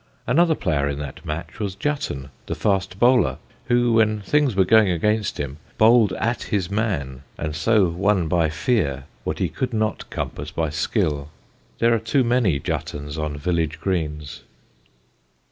Another player in that match was Jutten, the fast bowler, who when things were going against him bowled at his man and so won by fear what he could not compass by skill. There are too many Juttens on village greens.